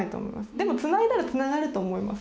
でもつないだらつながると思います。